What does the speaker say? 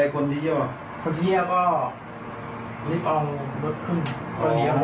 คนที่สามเป็นคนแทง